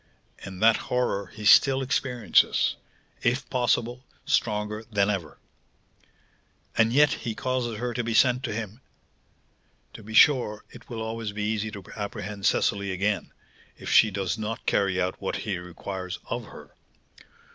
"And that horror he still experiences; if possible, stronger than ever." "And yet he causes her to be sent to him! To be sure, it will always be easy to apprehend Cecily again, if she does not carry out what he requires of her.